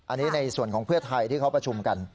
อันนี้ในส่วนของเพื่อไทยที่เขาประชุมกัน